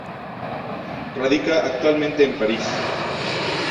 Radicada actualmente en París.